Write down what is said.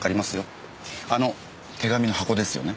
あの手紙の箱ですよね？